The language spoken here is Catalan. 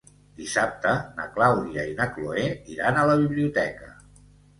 Dissabte na Clàudia i na Cloè iran a la biblioteca.